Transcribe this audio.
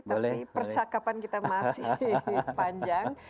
tapi percakapan kita masih panjang